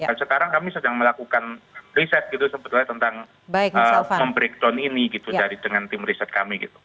dan sekarang kami sedang melakukan riset gitu sebetulnya tentang mem breakdown ini gitu dari dengan tim riset kami gitu